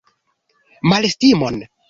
Malestimon?